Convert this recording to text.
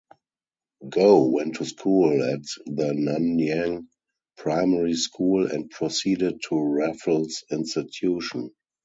Goh went to school at the Nanyang Primary School and proceeded to Raffles Institution.